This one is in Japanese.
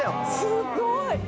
すごい！